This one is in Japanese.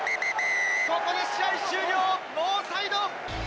ここで試合終了、ノーサイド。